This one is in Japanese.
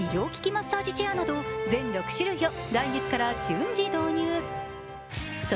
マッサージチェアなど全６種類を来月から順次導入。